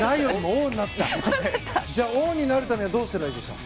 大になるためにはどうしたらいいですか？